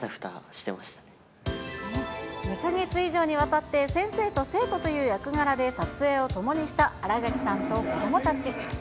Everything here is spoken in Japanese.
２か月以上にわたって、先生と生徒という役柄で撮影を共にした新垣さんと子どもたち。